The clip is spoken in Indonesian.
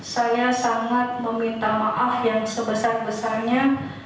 saya sangat meminta maaf yang sebesar besarnya